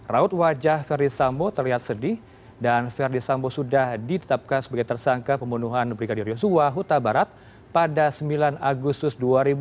raut wajah verdi sambo terlihat sedih dan verdi sambo sudah ditetapkan sebagai tersangka pembunuhan brigadir yosua huta barat pada sembilan agustus dua ribu dua puluh